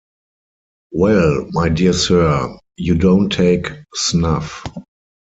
‘Well, my dear sir — you don’t take snuff!